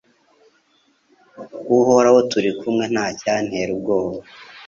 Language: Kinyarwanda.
Uhoraho turi kumwe nta cyantera ubwoba